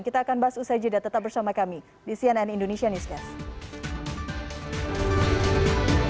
kita akan bahas usai jeda tetap bersama kami di cnn indonesia newscast